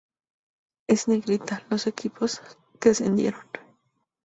En Negrita los equipos que ascendieron.